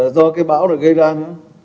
do cái bão đã gây ra nữa